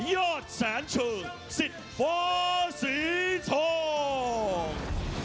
ยอดสรรค์ชูสิทธิ์ฝาสิทธอง